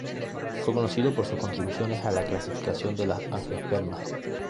Fue conocido por sus contribuciones a la clasificación de las angiospermas.